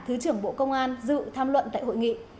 thứ trưởng bộ công an dự tham luận tại hội nghị